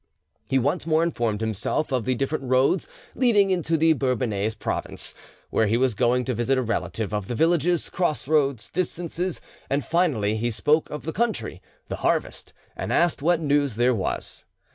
He once more informed himself of the different roads leading into the Bourbonnais province, where he was going to visit a relative; of the villages, cross roads, distances; and finally he spoke of the country, the harvest, and asked what news there was.